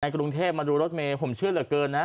กรุงเทพมาดูรถเมย์ผมเชื่อเหลือเกินนะ